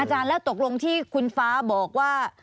อาจารย์แล้วตกลงที่คุณฟ้าบอกว่า